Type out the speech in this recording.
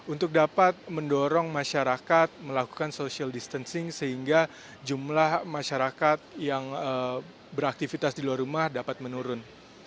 untuk dapat mendorong masyarakat melakukan social distancing sehingga jumlah masyarakat yang beraktivitas di luar rumah dapat menurun